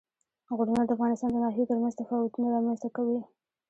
غرونه د افغانستان د ناحیو ترمنځ تفاوتونه رامنځ ته کوي.